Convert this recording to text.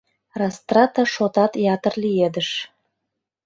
Растрата шотат ятыр лиедыш.